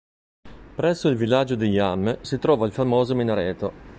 Presso il villaggio di Jam si trova il famoso minareto.